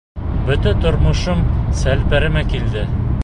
Бөтә тормошом селпәрәмә килде.